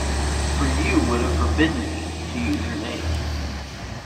For you would have forbidden me to use your name.